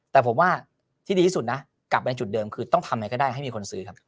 แต่ผมว่าที่ดีที่สุดนะกลับไปในจุดเดิมคือต้องทำไงก็ได้ให้มีคนซื้อครับ